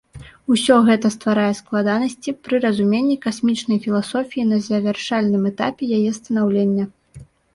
Усё гэта стварае складанасці пры разуменні касмічнай філасофіі на завяршальным этапе яе станаўлення.